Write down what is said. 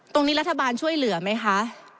ตรงนี้รัฐบาลช่วยเหลือไหมคะ